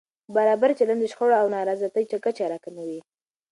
برابر چلند د شخړو او نارضایتۍ کچه راکموي.